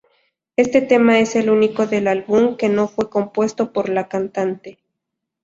Este tema es el único del álbum que no fue compuesto por la cantante.